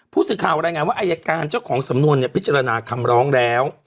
ผู้สื่อข่าวรายงานว่าอายการเจ้าของสำนวนเนี่ยพิจารณาคำร้องแล้ว